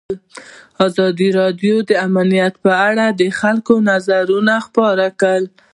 ازادي راډیو د امنیت په اړه د خلکو نظرونه خپاره کړي.